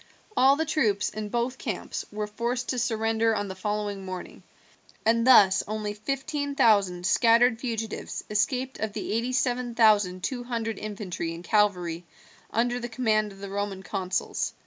All the troops in both camps were forced to surrender on the following morning, and thus only fifteen thousand scattered fugitives escaped of the eighty seven thousand two hundred infantry and cavalry under the command of the Roman consuls.